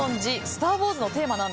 「スター・ウォーズのテーマ」。